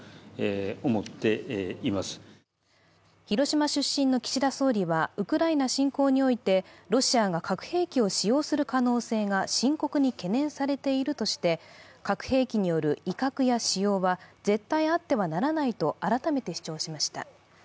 広島出身の岸田総理は、ウクライナ侵攻においてロシアが核兵器を使用する可能性が深刻に懸念されているとして核兵器による威嚇や使用は絶対あってはならないと改めて主張しました。